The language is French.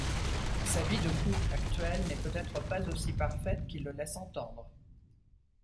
Sa vie de couple actuelle n'est peut-être pas aussi parfaite qu'il le laisse entendre.